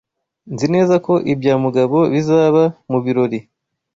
Nzi neza ko ibya Mugabo bizaba mu birori.